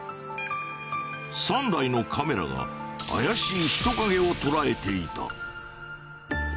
３台のカメラが怪しい人影を捉えていた。